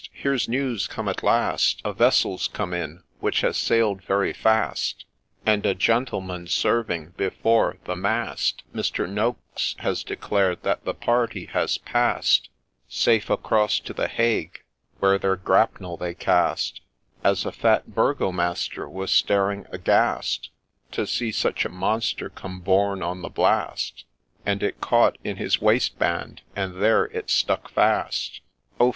— Here 's news come at last !— A vessel 's come in, which has sail'd very fast ; And a gentleman serving before the mast, — Mister Nokes — has declared that ' the party has past Safe across to the Hague, where their grapnel they cast, As a fat burgomaster was staring aghast To see such a monster come borne on the blast, And it caught in his waistband, and there it stuck fast 1 '— Oh